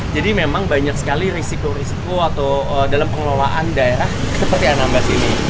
jadi memang banyak sekali risiko risiko atau dalam pengelolaan daerah seperti anambas ini